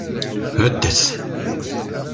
Beddet.